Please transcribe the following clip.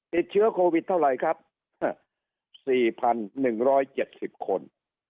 ติดเชื้อโควิดเท่าไรครับสี่พันหนึ่งร้อยเจ็ดสิบคน